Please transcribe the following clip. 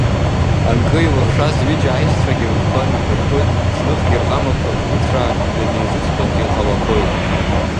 Анкы илыхшаз ҩыџьа аишьцәагьы рыгәқәа нибархоит, зныхгьы рҟамақәа ҭӷәцәаа ианеизыҵҟьогьы ҟалақәоит.